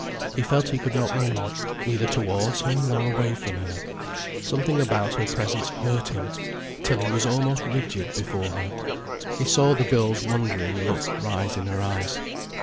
He felt he could not move, neither towards her nor away from her. Something about her presence hurt him, till he was almost rigid before her. He saw the girl's wondering look rise in her eyes.